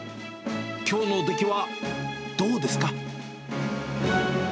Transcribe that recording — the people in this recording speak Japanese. きょうの出来はどうですか？